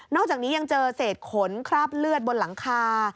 อกจากนี้ยังเจอเศษขนคราบเลือดบนหลังคา